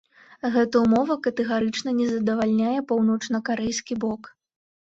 Гэта ўмова катэгарычна не задавальняе паўночнакарэйскі бок.